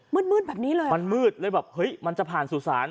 มืดมืดแบบนี้เลยมันมืดเลยแบบเฮ้ยมันจะผ่านสู่ศาล